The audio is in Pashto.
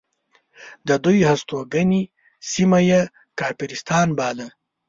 د دوی هستوګنې سیمه یې کافرستان باله.